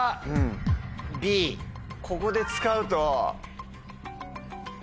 ここで使うと。